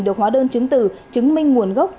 được hóa đơn chứng từ chứng minh nguồn gốc